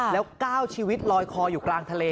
แล้ว๙ชีวิตลอยคออยู่กลางทะเล